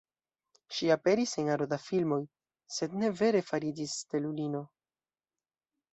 Ŝi aperis en aro da filmoj, sed ne vere fariĝis stelulino.